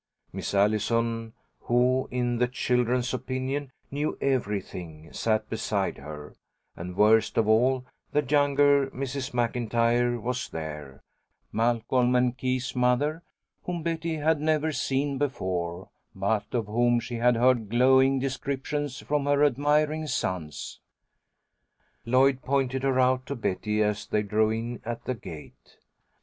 Miss Allison, who, in the children's opinion, knew everything, sat beside her, and worst of all, the younger Mrs. MacIntyre was there; Malcolm's and Keith's mother, whom Betty had never seen before, but of whom she had heard glowing descriptions from her admiring sons. Lloyd pointed her out to Betty as they drove in at the gate.